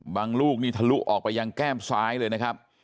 ลูกนี่ทะลุออกไปยังแก้มซ้ายเลยนะครับ